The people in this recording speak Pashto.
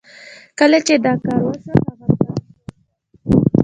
کله چې دا کار وشو هغه پلان جوړ کړ.